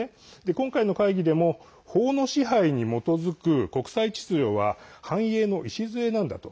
今回の会議でも法の支配に基づく国際秩序は繁栄の礎なんだと。